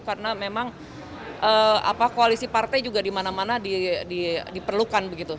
karena memang koalisi partai juga di mana mana diperlukan begitu